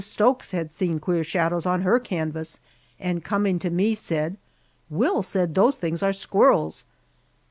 Stokes had seen queer shadows on her canvas, and coming to me, said, "Will says those things are squirrels!"